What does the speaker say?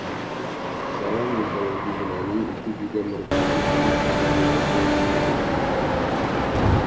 Dalam mitologi Yunani, itu juga merupakan nama para dewa sungai-sungai tersebut.